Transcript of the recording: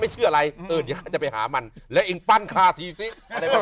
ไม่เชื่ออะไรเดี๋ยวข้าจะไปหามันแล้วเองปั้นขาดจริงอะไรประมาณเนี่ย